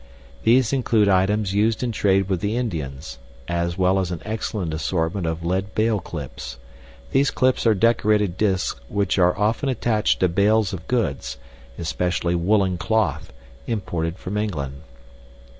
These include items used in trade with the Indians, as well as an excellent assortment of lead bale clips. These clips are decorated discs which were often attached to bales of goods (especially woolen cloth) imported from England.